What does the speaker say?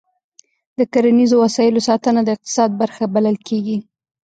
د کرنیزو وسایلو ساتنه د اقتصاد برخه بلل کېږي.